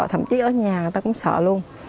thậm chí ở nhà người ta cũng sợ luôn